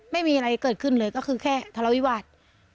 ไม่มีอะไรเกิดขึ้นเลยก็คือแค่ทะเลาวิวาส